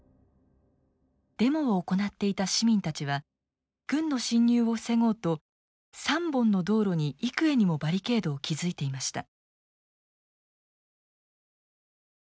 デモを行っていた市民たちは軍の侵入を防ごうと３本の道路に幾重にもバリケードを築いていました。